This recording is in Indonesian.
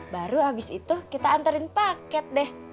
baru abis itu kita anterin paket deh